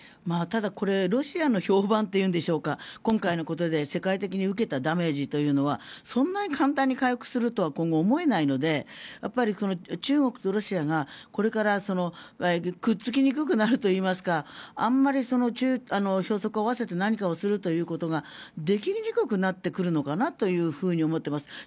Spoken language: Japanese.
ただ、これロシアの評判というんでしょうか今回のことで世界的に受けたダメージはそんなに簡単に回復するとは今後思えないので中国とロシアがこれからくっつきにくくなるといいますかあまり平仄を合わせて何かをするということができにくくなってくるのかなと思っています。